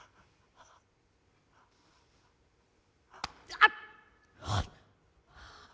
あっ。